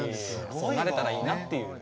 そうなれたらいいなっていう。